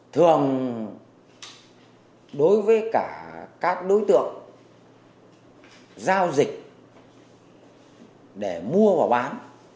thường đối với cả các đối tượng giao dịch để mua và bán